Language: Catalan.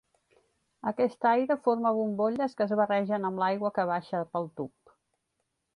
Aquest aire forma bombolles que es barregen amb l'aigua que baixa pel tub.